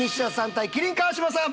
対麒麟川島さん！